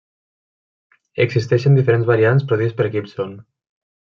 Existeixen diferents variants produïdes per Gibson.